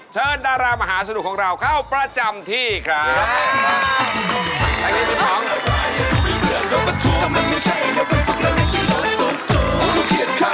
เชิญดารามหาสนุกของเราเข้าประจำที่ครับ